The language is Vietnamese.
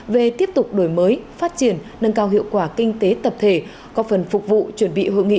về tiếp tục đổi mới phát triển nâng cao hiệu quả kinh tế tập thể có phần phục vụ chuẩn bị hội nghị